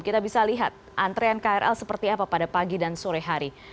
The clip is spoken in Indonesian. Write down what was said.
kita bisa lihat antrean krl seperti apa pada pagi dan sore hari